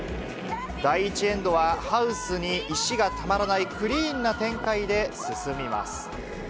第１エンドは、ハウスに石がたまらないクリーンな展開で進みます。